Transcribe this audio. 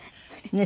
ねえ。